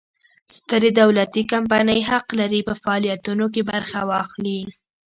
سترې دولتي کمپنۍ حق لري په فعالیتونو کې برخه واخلي.